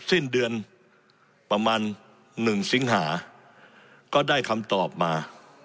สิ้นเดือนประมาณ๑สิงหาก็ได้คำตอบมา